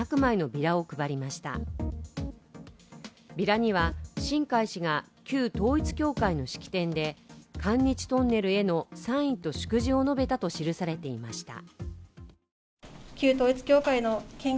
ビラには新開氏が旧統一教会の式典で韓日トンネルへの賛意と祝辞を述べたと記されていました。